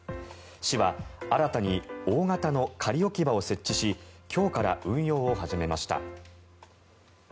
市は新たに大型の仮置き場を設置し今日から運用を始めました。